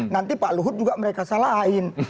nanti pak luhut juga mereka salahin